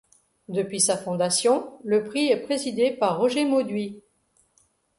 Depuis sa fondation le prix est présidé par Roger Maudhuy.